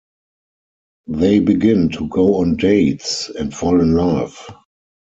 They begin to go on dates and fall in love.